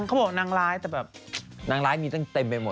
เขาบอกนางร้ายแต่แบบนางร้ายมีตั้งเต็มไปหมด